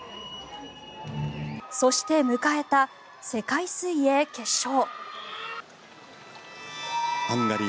そして、迎えた世界水泳決勝。